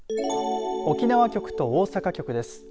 沖縄局と大阪局です。